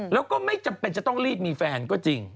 แล้วก็ไม่จำเป็นจะต้องรีบมีแฟนก็จริง